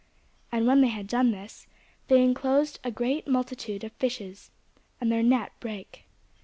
And when they had this done, they inclosed a great multitude of fishes: and their net brake.